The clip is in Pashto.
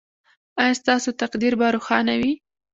ایا ستاسو تقدیر به روښانه وي؟